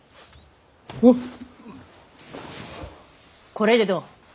これでどう？